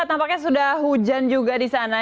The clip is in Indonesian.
tampaknya sudah hujan juga di sana